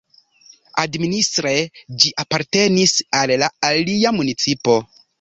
Administre ĝi apartenis al alia municipo.